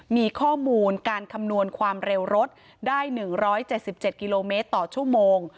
มีข้อมูลการคำนวณความเร็วรถได้๑๗๗กิโลเมตรต่อชั่วโมง